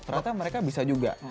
ternyata mereka bisa juga